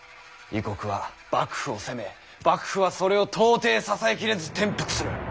異国は幕府を責め幕府はそれを到底支え切れず転覆する。